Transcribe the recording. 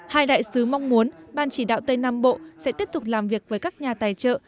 hai đại sứ mong muốn ban chỉ đạo tây nam bộ sẽ tiếp tục làm việc với các nhà tài trợ